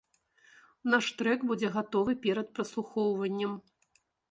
Наш трэк будзе гатовы перад праслухоўваннем.